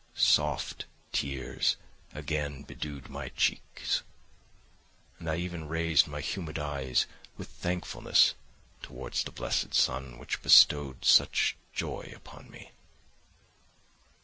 Soft tears again bedewed my cheeks, and I even raised my humid eyes with thankfulness towards the blessed sun, which bestowed such joy upon me.